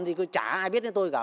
thì chả ai biết đến tôi cả